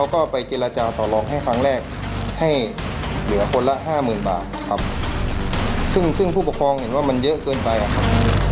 ก็ไปเจรจาต่อลองให้ครั้งแรกให้เหลือคนละห้าหมื่นบาทครับซึ่งซึ่งผู้ปกครองเห็นว่ามันเยอะเกินไปอะครับ